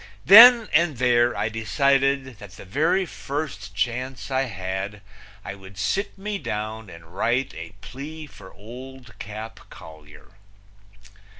Then and there I decided that the very first chance I had I would sit me down and write a plea for Old Cap Collier.